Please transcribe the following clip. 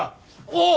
おう！